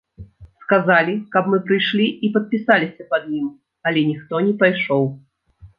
Сказалі, каб мы прыйшлі і падпісаліся пад ім, але ніхто не пайшоў.